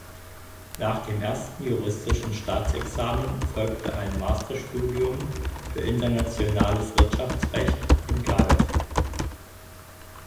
Nach dem ersten juristischen Staatsexamen folgte ein Masterstudium für Internationales Wirtschaftsrecht in Cardiff.